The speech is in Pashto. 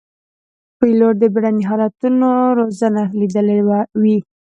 پیلوټ د بېړني حالتونو روزنه لیدلې وي.